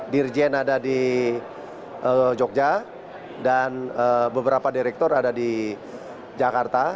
dirjen ada di jogja dan beberapa direktur ada di jakarta